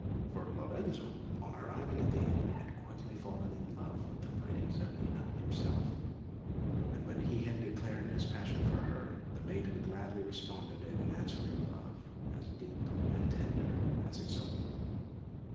For Lorenzo, on arriving at the inn, had quickly fallen in love with the pretty Zerlina himself, and when he had declared his passion for her, the maiden had gladly responded with an answering love as deep and tender as his own.